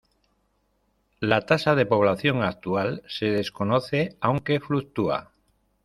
La tasa de población actual se desconoce aunque fluctúa.